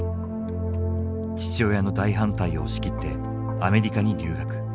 父親の大反対を押し切ってアメリカに留学。